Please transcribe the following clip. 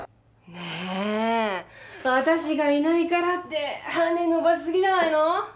ねえ私がいないからって羽伸ばしすぎじゃないの？